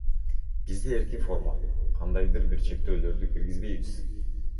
Бизде эркин форма, кандайдыр бир чектөөлөрдү киргизбейбиз.